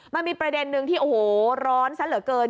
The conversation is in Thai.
มันมีประเด็นนึงที่โอ้โหร้อนซะเหลือเกิน